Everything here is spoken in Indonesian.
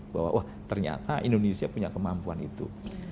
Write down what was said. bahwa oh ternyata indonesia punya kemampuan itu